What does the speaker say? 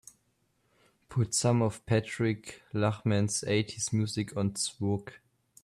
Put some of Patrick Lachman's eighties music on Zvooq